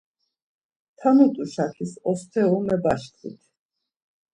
Tanut̆u şakis osteru mebaşkvit.